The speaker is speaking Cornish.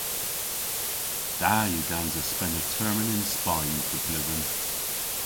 Da yw gansa spena termyn yn Spayn pub bledhen.